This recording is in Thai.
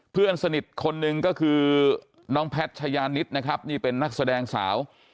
เพื่อนสนิทคนหนึ่งก็คือน้องแพทชายานิดนะครับนี่เป็นนักแสดงสาว